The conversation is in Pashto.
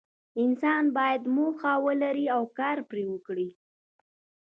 انسان باید موخه ولري او کار پرې وکړي.